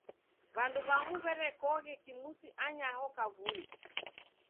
W'andu w'amu w'erekoghe kimusi anyaho kavui.